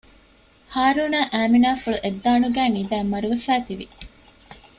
ހާރޫނާއި އައިމިނާފުޅު އެއް ދާނުގައި ނިދައި މަރުވެފައި ތިވި